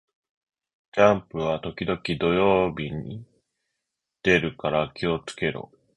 ジャンプは時々土曜に出るから気を付けろ